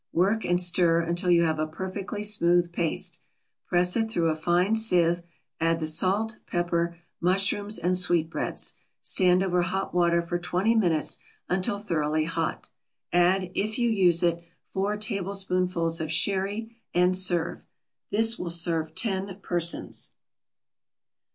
Work and stir until you have a perfectly smooth paste. Press it through a fine sieve, add the salt, pepper, mushrooms and sweetbreads. Stand over hot water for twenty minutes, until thoroughly hot. Add, if you use it, four tablespoonfuls of sherry, and serve. This will serve ten persons.